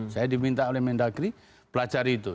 saya diminta oleh mendagri pelajari itu